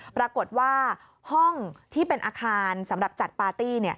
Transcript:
ปรากฏว่าห้องที่เป็นอาคารสำหรับจัดปาร์ตี้